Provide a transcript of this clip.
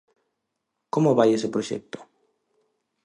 Como vai ese proxecto?